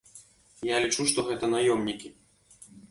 Я лічу, што гэта наёмнікі.